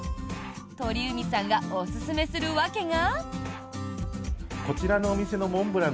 鳥海さんがおすすめする訳が。